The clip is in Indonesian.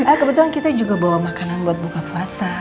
ah kebetulan kita juga bawa makanan buat buka puasa